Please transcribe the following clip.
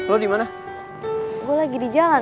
lo dimana gue lagi di jalan